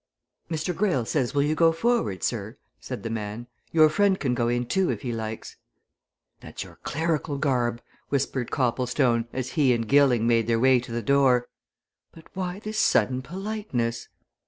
"Mr. Greyle says will you go forward, sir?" said the man. "Your friend can go in too, if he likes." "That's your clerical garb," whispered Copplestone as he and Gilling made their way to the door. "But why this sudden politeness?"